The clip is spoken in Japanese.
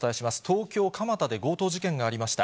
東京・蒲田で強盗事件がありました。